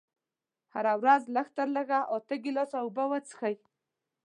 هره ورځ لږ تر لږه اته ګيلاسه اوبه وڅښئ.